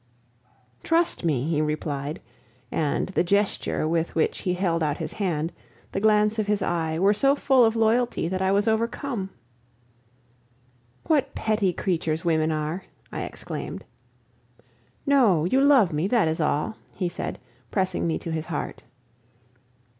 "Trust me!" he replied; and the gesture with which he held out his hand, the glance of his eye, were so full of loyalty that I was overcome. "What petty creatures women are!" I exclaimed. "No, you love me, that is all," he said, pressing me to his heart.